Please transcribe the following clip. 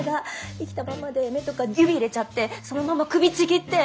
生きたままで目とかに指入れちゃってそのまま首ちぎって！